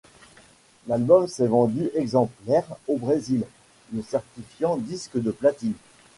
L'album s'est vendu exemplaires au Brésil, le certifiant disque de platine.